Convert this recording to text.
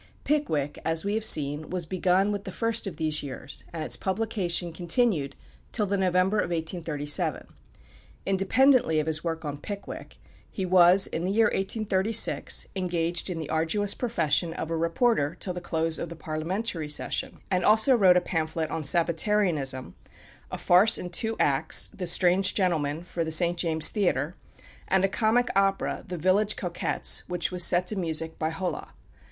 "Pickwick," as we have seen, was begun with the first of these years, and its publication continued till the November of 1837. Independently of his work on "Pickwick," he was, in the year 1836, engaged in the arduous profession of a reporter till the close of the parliamentary session, and also wrote a pamphlet on Sabbatarianism, a farce in two acts, "The Strange Gentleman," for the St. James's Theatre, and a comic opera, "The Village Coquettes," which was set to music by Hullah.